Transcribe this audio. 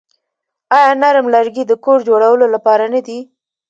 آیا نرم لرګي د کور جوړولو لپاره نه دي؟